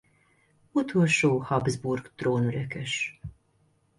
Utolsó Habsburg-trónörökös.